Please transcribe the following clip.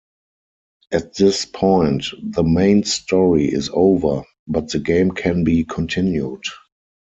At this point, the main story is over, but the game can be continued.